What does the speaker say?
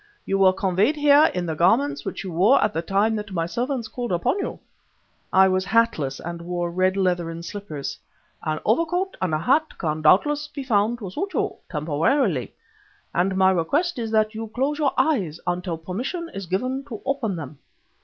You were conveyed here in the garments which your wore at the time that my servants called upon you." (I was hatless and wore red leathern slippers.) "An overcoat and a hat can doubtless be found to suit you, temporarily, and my request is that you close your eyes until permission is given to open them."